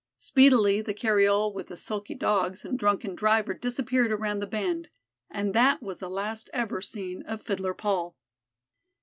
Speedily the cariole with the sulky Dogs and drunken driver disappeared around the bend and that was the last ever seen of Fiddler Paul.